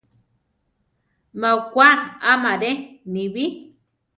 Má okwá amaré, nibí.